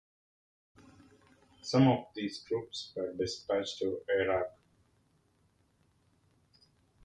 Some of these troops were dispatched to Iraq.